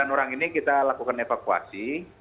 sembilan orang ini kita lakukan evakuasi